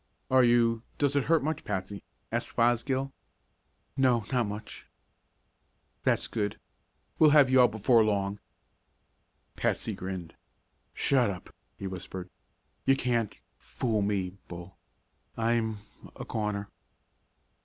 "Are you does it hurt much, Patsy?" asked Fosgill. "No, not much." "That's good. We'll have you out before long." Patsy grinned. "Shut up!" he whispered. "You can't fool me, Bull. I'm a goner."